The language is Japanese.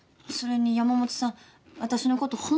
それに山本さん私のこと